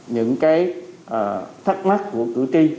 những cái thắc mắc của cử tri